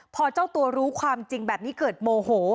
พอเจ้าตัวรู้ความจริงแบบนี้เกิดโมโห